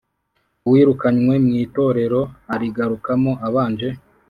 Uwirukanwe mw Itorero arigarukamo abanje